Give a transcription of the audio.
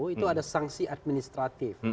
itu ada sanksi administratif